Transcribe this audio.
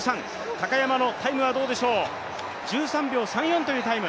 高山のタイムはどうでしょう、１３秒３４というタイム。